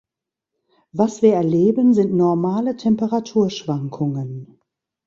Was wir erleben, sind normale Temperaturschwankungen.